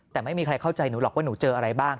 แต่ไม่มีใครเข้าใจหนูหรอกว่าหนูเจออะไรบ้าง